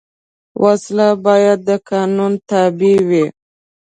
وسله باید د قانون تابع وي